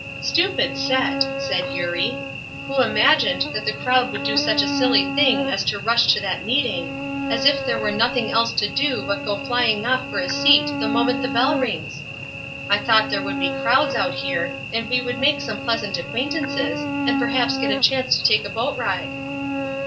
"Stupid set!" said Eurie "who imagined that the crowd would do such a silly thing as to rush to that meeting, as if there were nothing else to do but to go flying off for a seat the moment the bell rings? I thought there would be crowds out here, and we would make some pleasant acquaintances, and perhaps get a chance to take a boat ride."